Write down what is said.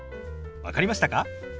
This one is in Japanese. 分かりましたか？